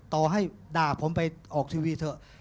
ต่อให้ด่าผมไปออกทีวีเถอะ